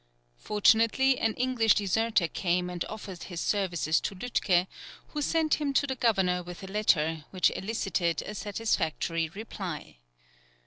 Fortunately, an English deserter came and offered his services to Lütke, who sent him to the governor with a letter, which elicited a satisfactory reply.